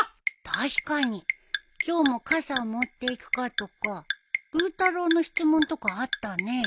確かに今日も傘を持っていくかとかブー太郎の質問とかあったね。